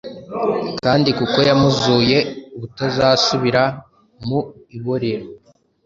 Kandi kuko yamuzuye ubutazasubira mu iborero,